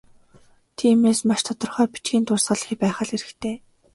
Тиймээс, маш тодорхой бичгийн дурсгал байх л хэрэгтэй.